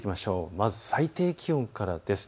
まず最低気温からです。